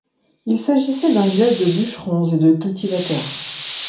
Il s'agissait d'un village de bûcherons et de cultivateurs.